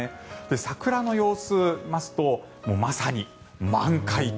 桜の様子を見ますとまさに満開と。